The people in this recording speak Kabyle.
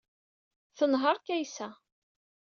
Tenheṛ Kaysa.